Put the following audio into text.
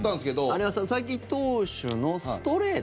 あれは佐々木投手のストレート？